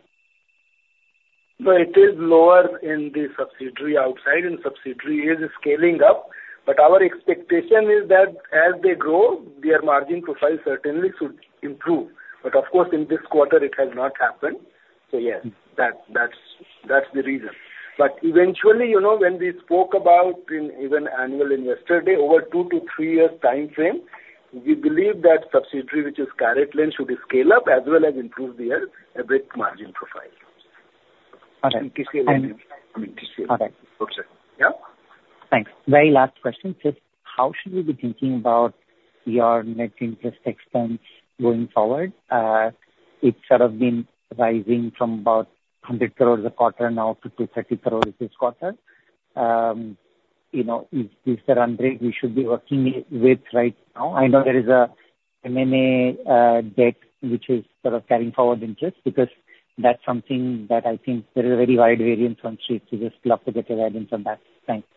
So it is lower in the subsidiary. Outside, in subsidiary, it is scaling up, but our expectation is that as they grow, their margin profile certainly should improve. But of course, in this quarter, it has not happened. So yes, that's the reason. But eventually, you know, when we spoke about in even annual investor day, over two to three years timeframe-... We believe that subsidiary, which is CaratLane, should scale up as well as improve their EBIT margin profile. Okay. I mean, this year. Okay. Hope so. Yeah? Thanks. Very last question. Just how should we be thinking about your net interest expense going forward? It's sort of been rising from about 100 crore a quarter now to 230 crore this quarter. You know, is there a rate we should be working with right now? I know there is a M&A debt which is sort of carrying forward the interest, because that's something that I think there is a very wide variance on street, so just love to get your guidance on that. Thanks.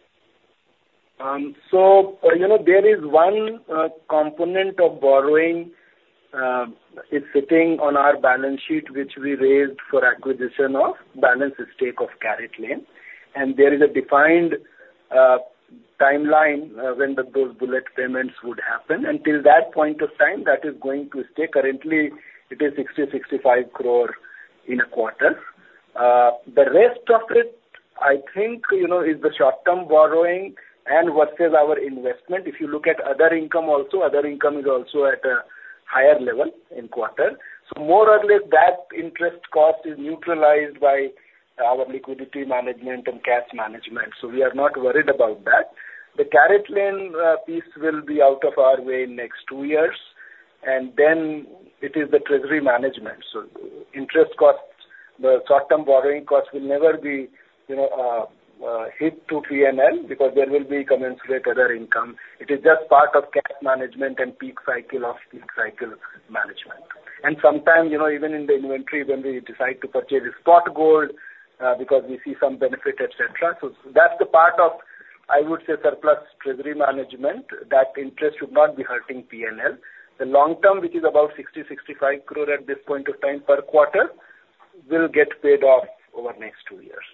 So, you know, there is one component of borrowing is sitting on our balance sheet, which we raised for acquisition of balance stake of CaratLane. And there is a defined timeline when those bullet payments would happen. Until that point of time, that is going to stay. Currently, it is 65 crore in a quarter. The rest of it, I think, you know, is the short-term borrowing and versus our investment. If you look at other income also, other income is also at a higher level in quarter. So more or less, that interest cost is neutralized by our liquidity management and cash management, so we are not worried about that. The CaratLane piece will be out of our way in next two years, and then it is the treasury management. So interest costs, the short-term borrowing costs will never be, you know, hit to PNL because there will be commensurate other income. It is just part of cash management and peak cycle of peak cycle management. And sometimes, you know, even in the inventory when we decide to purchase spot gold, because we see some benefit, etc. So that's the part of, I would say, surplus treasury management, that interest should not be hurting PNL. The long term, which is about 60-65 crore at this point of time per quarter, will get paid off over the next two years.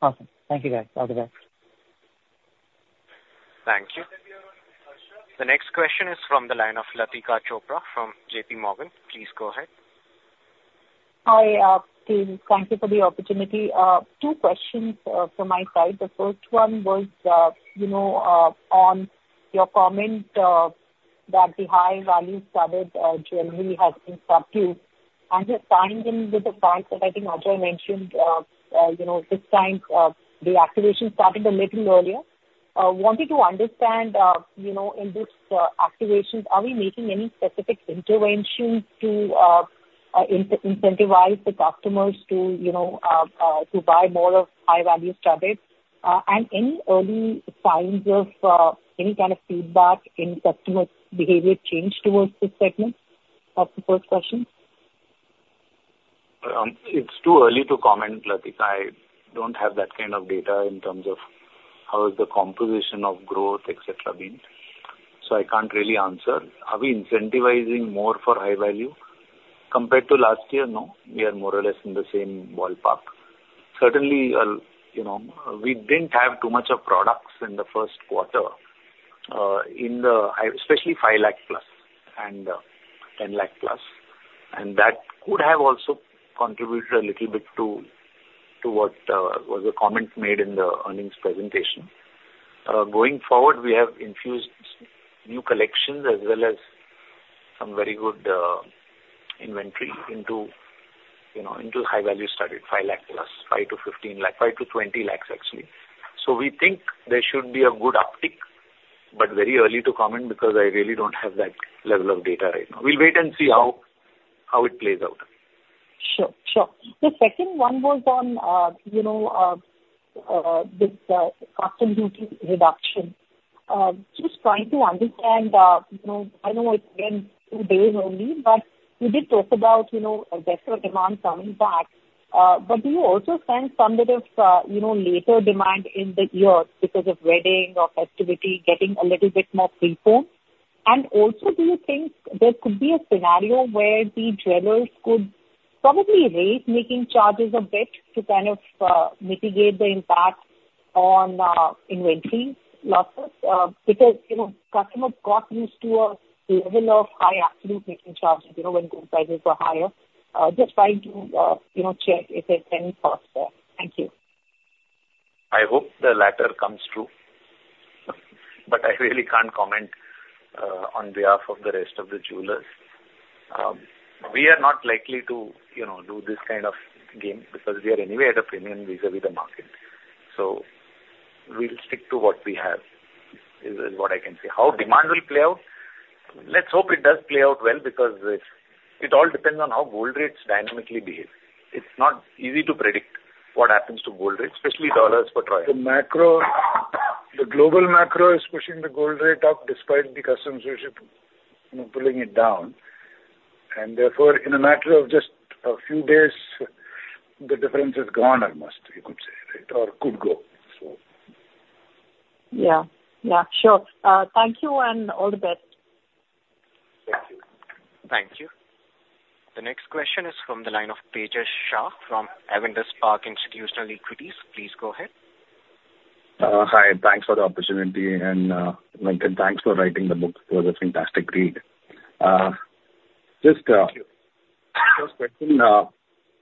Awesome. Thank you, guys. All the best. Thank you. The next question is from the line of Latika Chopra from JPMorgan. Please go ahead. Hi, thank you for the opportunity. Two questions from my side. The first one was, you know, on your comment that the high-value studded generally has been subdued. And just tying in with the point that I think Ajoy mentioned, you know, this time the activation started a little earlier. Wanted to understand, you know, in this activations, are we making any specific interventions to incentivize the customers to, you know, to buy more of high-value products? And any early signs of any kind of feedback in customer behavior change towards this segment? That's the first question. It's too early to comment, Latika. I don't have that kind of data in terms of how is the composition of growth, etc., being. So I can't really answer. Are we incentivizing more for high value compared to last year? No. We are more or less in the same ballpark. Certainly, you know, we didn't have too much of products in the Q1, especially 5 lakh+ and 10 lakh+, and that could have also contributed a little bit to what was the comment made in the earnings presentation. Going forward, we have infused new collections as well as some very good inventory into, you know, into high-value studded 5 lakh+, 5 lakh-15 lakh, 5 lakh-20 lakh, actually. We think there should be a good uptick, but very early to comment because I really don't have that level of data right now. We'll wait and see how it plays out. Sure. Sure. The second one was on, you know, this customs duty reduction. Just trying to understand, you know, I know it's been two days only, but you did talk about, you know, a better demand coming back. But do you also think some bit of, you know, later demand in the year because of wedding or festivity getting a little bit more pre-paid? And also, do you think there could be a scenario where the jewelers could probably raise making charges a bit to kind of mitigate the impact on inventory losses? Because, you know, customers got used to a level of high absolute making charges, you know, when gold prices were higher. Just trying to, you know, check if there's any thoughts there. Thank you. I hope the latter comes true, but I really can't comment on behalf of the rest of the jewelers. We are not likely to, you know, do this kind of game because we are anyway at a premium vis-à-vis the market. So we'll stick to what we have; it is what I can say. How demand will play out, let's hope it does play out well, because it all depends on how gold rates dynamically behave. It's not easy to predict what happens to gold rates, especially dollars per troy. The macro, the global macro is pushing the gold rate up despite the customs duty, you know, pulling it down, and therefore, in a matter of just a few days, the difference is gone almost, you could say, right? Or could go, so. Yeah. Yeah, sure. Thank you and all the best. Thank you. Thank you. The next question is from the line of Tejas Shah from Avendus Spark Institutional Equities. Please go ahead. Hi, thanks for the opportunity and, thanks for writing the book. It was a fantastic read. Just,... question. See,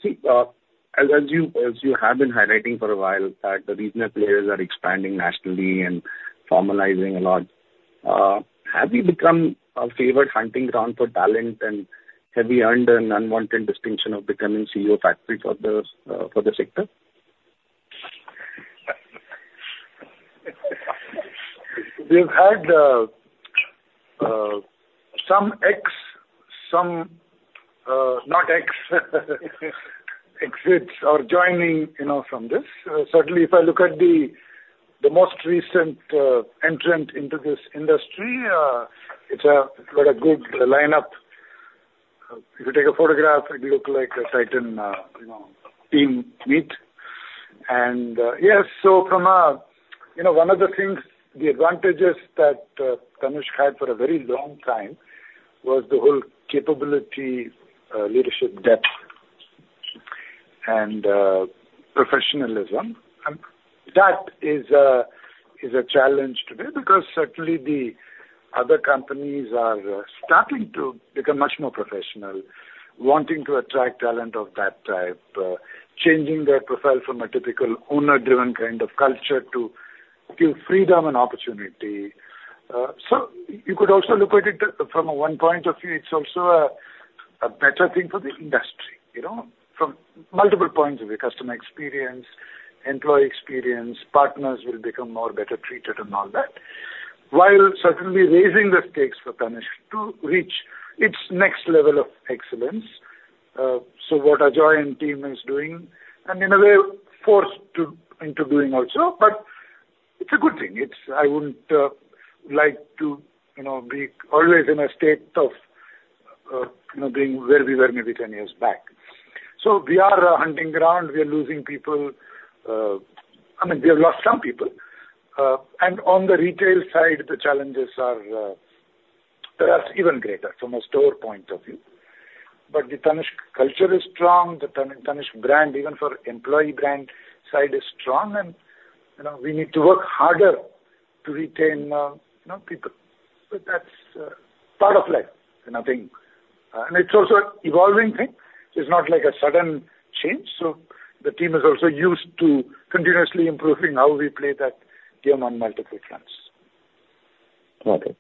as you have been highlighting for a while, that the regional players are expanding nationally and formalizing a lot, have you become a favored hunting ground for talent, and have you earned an unwanted distinction of becoming CEO factory for the sector? We've had some exits or joining, you know, from this. Certainly, if I look at the most recent entrant into this industry, it's got a good lineup. If you take a photograph, it look like a Titan, you know, team meet. And, yes, so from You know, one of the things, the advantages that Tanishq had for a very long time was the whole capability, leadership depth and professionalism. And that is a challenge today, because certainly the other companies are starting to become much more professional, wanting to attract talent of that type, changing their profile from a typical owner-driven kind of culture to give freedom and opportunity. So you could also look at it from one point of view, it's also a better thing for the industry, you know, from multiple points of view, customer experience, employee experience, partners will become more better treated and all that, while certainly raising the stakes for Tanishq to reach its next level of excellence. So what Ajoy and team is doing, and in a way, forced to, into doing also, but it's a good thing. It's—I wouldn't like to, you know, be always in a state of, you know, being where we were maybe 10 years back. So we are a hunting ground. We are losing people. I mean, we have lost some people. And on the retail side, the challenges are, perhaps even greater from a store point of view. But the Tanishq culture is strong, the Tanishq brand, even for employee brand side, is strong, and, you know, we need to work harder to retain, you know, people. But that's part of life, you know, I think. And it's also an evolving thing, so it's not like a sudden change. So the team is also used to continuously improving how we play that game on multiple fronts. Got it.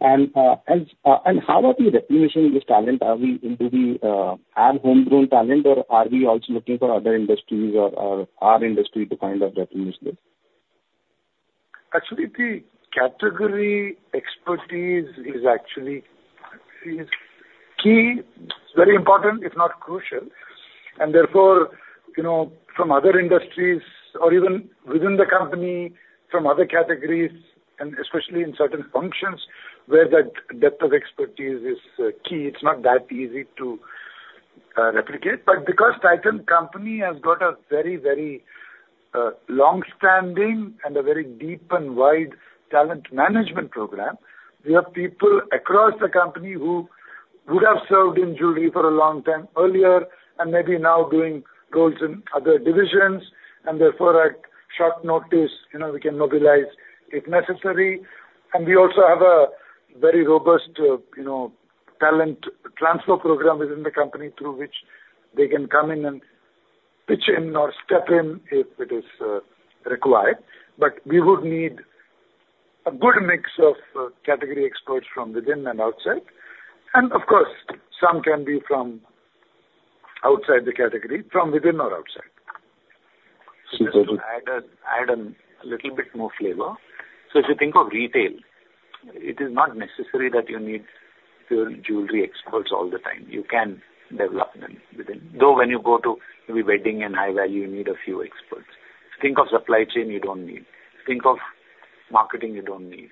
And how are we replenishing this talent? Are we, do we, have homegrown talent, or are we also looking for other industries or our industry to kind of replenish this? Actually, the category expertise is actually, is key, very important, if not crucial. And therefore, you know, from other industries or even within the company, from other categories, and especially in certain functions where that depth of expertise is key, it's not that easy to replicate. But because Titan Company has got a very, very, long-standing and a very deep and wide talent management program, we have people across the company who would have served in jewelry for a long time earlier and maybe now doing roles in other divisions, and therefore, at short notice, you know, we can mobilize, if necessary. And we also have a very robust, you know, talent transfer program within the company through which they can come in and pitch in or step in if it is required. But we would need a good mix of category experts from within and outside. And of course, some can be from outside the category, from within or outside. Just to add a- Mm-hmm. Add a little bit more flavor. So if you think of retail, it is not necessary that you need pure jewelry experts all the time. You can develop them within. Though, when you go to maybe wedding and high value, you need a few experts. Think of supply chain, you don't need. Think of marketing, you don't need.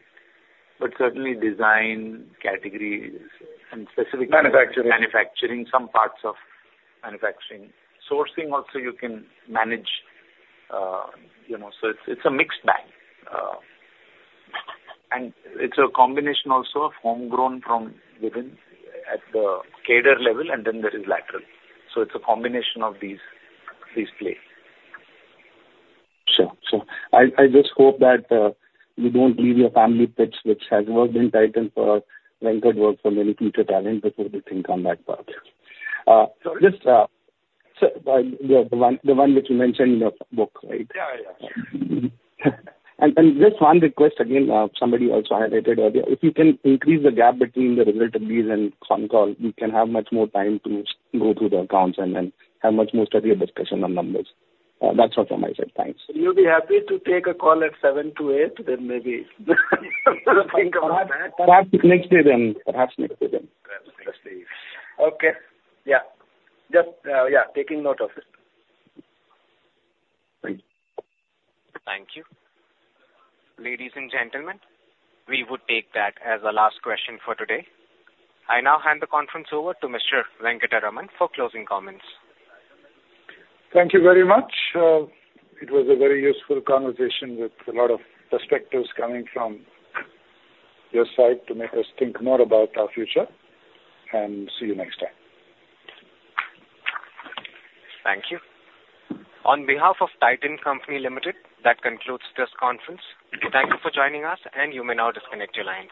But certainly design, categories, and specifically- Manufacturing. Some parts of manufacturing. Sourcing, also you can manage, you know, so it's, it's a mixed bag. And it's a combination also of homegrown from within at the cadre level, and then there is lateral. So it's a combination of these, these play. Sure. So I just hope that you don't leave your family pitch, which has worked in Titan for a very good work for many future talent, because we think on that part. So just the one which you mentioned in the book, right? Yeah. Yeah. Just one request, again, somebody also highlighted earlier, if you can increase the gap between the result release and phone call, we can have much more time to go through the accounts and have much more studious discussion on numbers. That's all from my side. Thanks. You'll be happy to take a call at seven to eight? Then maybe think about that. Perhaps next year then. Perhaps next year then. Let's see. Okay. Yeah. Just, yeah, taking note of it. Thank you. Thank you. Ladies and gentlemen, we would take that as the last question for today. I now hand the conference over to Mr. Venkataraman for closing comments. Thank you very much. It was a very useful conversation with a lot of perspectives coming from your side to make us think more about our future, and see you next time. Thank you. On behalf of Titan Company Limited, that concludes this conference. Thank you for joining us, and you may now disconnect your lines.